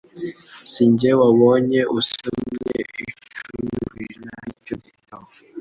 Sinjye wabonye Usomye icumi kw’ijana y’icyo gitabo